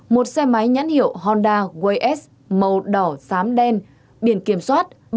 một xe máy nhắn hiệu honda way s màu đỏ xám đen biển kiểm soát